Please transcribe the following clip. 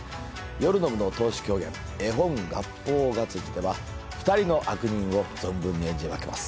夜の部の通し狂言『絵本合法衢』では２人の悪人を存分に演じ分けます。